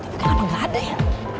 tapi kenapa gak ada ya